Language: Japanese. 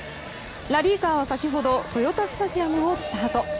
ラリーカーは先ほど豊田スタジアムをスタート。